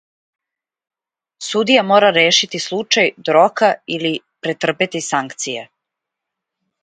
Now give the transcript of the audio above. "Судац мора ријешити случај до рока или претрпјети санкције."